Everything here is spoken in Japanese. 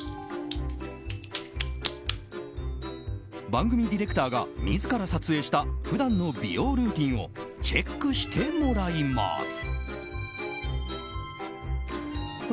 番組ディレクターが自ら撮影した普段の美容ルーティンをチェックしてもらいます。